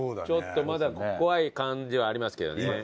ちょっとまだ怖い感じはありますけどね。